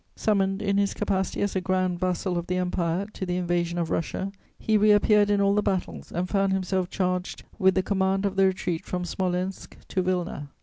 Summoned in his capacity as a grand vassal of the Empire to the invasion of Russia, he reappeared in all the battles and found himself charged with the command of the retreat from Smolensk to Wilna.